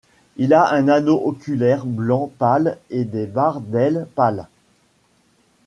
Il a un anneau oculaire blanc pâle et des barres d'ailes pâles.